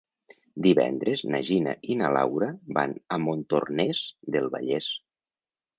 Divendres na Gina i na Laura van a Montornès del Vallès.